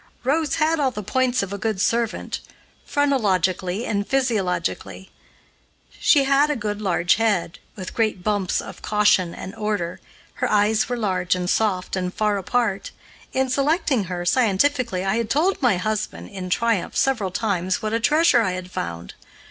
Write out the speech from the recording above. Rose had all the points of a good servant, phrenologically and physiologically. She had a large head, with great bumps of caution and order, her eyes were large and soft and far apart. In selecting her, scientifically, I had told my husband, in triumph, several times what a treasure I had found.